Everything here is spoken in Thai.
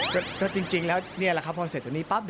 ก็จริงแล้วนี่แหละครับพอเสร็จตรงนี้ปั๊บ